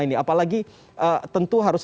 ini apalagi tentu harus